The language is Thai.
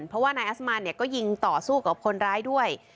เพราะว่านายอัสมานเนี่ยก็ยิงต่อสู้กับคนร้ายด้วย